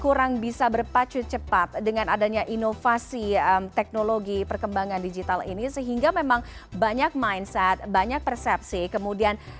kurang bisa berpacu cepat dengan adanya inovasi teknologi perkembangan digital ini sehingga memang banyak mindset banyak persepsi kemudian